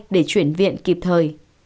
để chuyển viện kịp thời